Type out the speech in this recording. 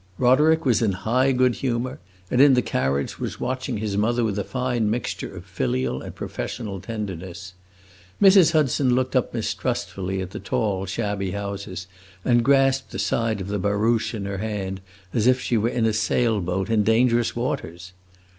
Roderick was in high good humor, and, in the carriage, was watching his mother with a fine mixture of filial and professional tenderness. Mrs. Hudson looked up mistrustfully at the tall, shabby houses, and grasped the side of the barouche in her hand, as if she were in a sail boat, in dangerous waters.